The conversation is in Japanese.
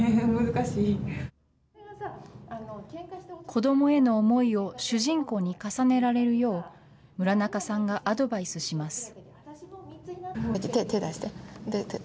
子どもへの思いを主人公に重ねられるよう、村中さんがアドバイスします。